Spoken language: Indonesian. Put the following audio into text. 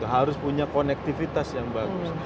harus punya konektivitas yang bagus